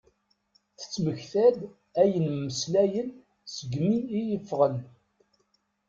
Tettmekta-d ayen mmeslayen segmi i iffɣen.